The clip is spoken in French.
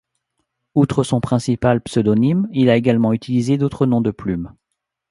Outre son principal pseudonyme, il a également utilisé d'autres noms de plumes.